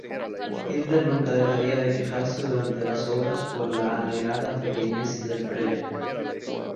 Hitler nunca dejaría de quejarse durante las obras por la alegada pequeñez del proyecto.